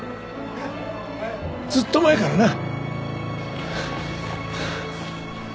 ずっと前からな。